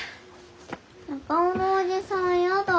中尾のおじさん嫌だ。